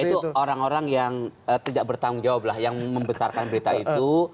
itu orang orang yang tidak bertanggung jawab lah yang membesarkan berita itu